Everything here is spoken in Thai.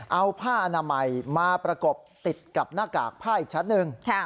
เอาผ้าอนามัยมาประกบติดกับหน้ากากผ้าอีกชั้นหนึ่ง